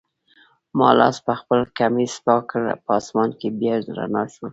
ما لاس پخپل کمیس پاک کړ، په آسمان کي بیا رڼا شول.